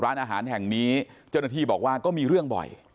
ร้านอาหารแห่งนี้เจ้าหน้าที่บอกว่าก็มีเรื่องบ่อย